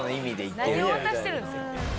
何を渡してるんです。